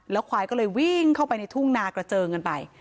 ควายก็เลยวิ่งเข้าไปในทุ่งนากระเจิงกันไป